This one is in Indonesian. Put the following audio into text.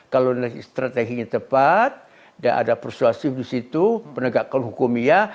kalau strategi yang tepat dan ada persuasif di situ penegakkan hukumnya